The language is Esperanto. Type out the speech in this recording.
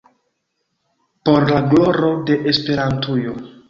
Por la gloro de Esperantujo!